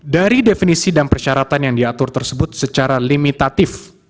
dari definisi dan persyaratan yang diatur tersebut secara limitatif